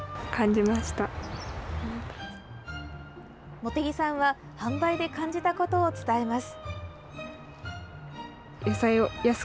茂木さんは販売で感じたことを伝えます。